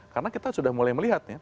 karena kita sudah mulai melihat ya